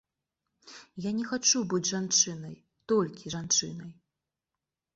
Я не хачу быць жанчынай, толькі жанчынай.